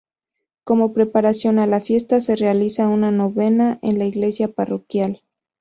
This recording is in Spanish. Como preparación a la fiesta, se realiza una novena en la iglesia parroquial.